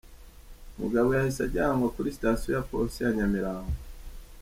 Umugabo yahise ajyanwa kuri Sitasiyo ya Polisi ya Nyamirambo.